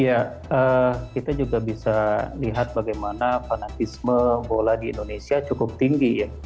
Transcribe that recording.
ya kita juga bisa lihat bagaimana fanatisme bola di indonesia cukup tinggi ya